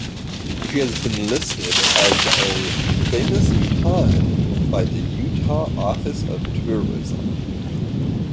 She has been listed as a "Famous Utahn" by the Utah Office of Tourism.